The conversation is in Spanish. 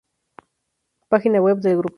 Página web del grupo